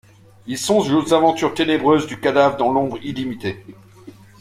Il songe aux aventures ténébreuses du cadavre dans l’ombre illimitée.